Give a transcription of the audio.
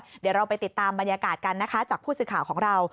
เดี๋ยวเราไปติดตามบรรยากาศกันนะคะจากผู้สื่อข่าวของเรา